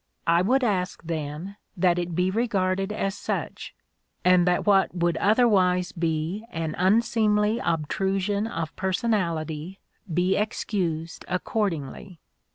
I would ask, then, that it be regarded as such, and that what would otherwise be an unseemly obtrusion of personality be excused accordingly.